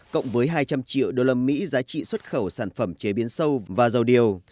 cộng với hai trăm linh triệu usd giá trị xuất khẩu sản phẩm chế biến sâu và dầu điều